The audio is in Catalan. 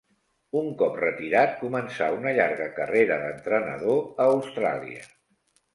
Un cop retirat començà una llarga carrera d'entrenador a Austràlia.